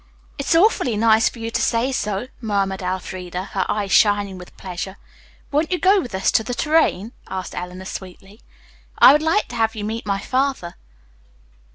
"It's awfully nice in you to say so," murmured Elfreda, her eyes shining with pleasure. "Won't you go with us to the 'Tourraine'?" asked Eleanor sweetly. "I would like to have you meet my father."